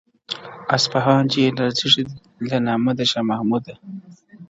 اصفهان چي یې لړزیږي له نامه د شاه محموده -